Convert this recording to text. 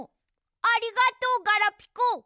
ありがとうガラピコ。